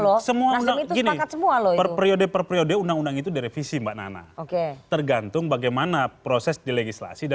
loh semua semuanya semua lho periode periode undang undang itu direvisi mbak nana oke tergantung